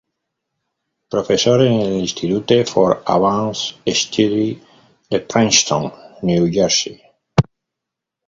Profesor en el Institute for Advanced Study de Princeton, New Jersey.